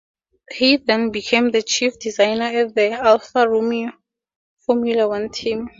He then became the Chief Designer at the Alfa Romeo Formula One team.